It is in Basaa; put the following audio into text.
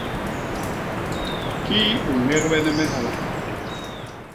Kii u ñegbene me hala?